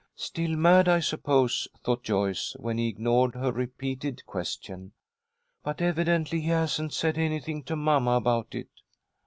"Still mad, I suppose," thought Joyce, when he ignored her repeated question. "But evidently he hasn't said anything to mamma about it."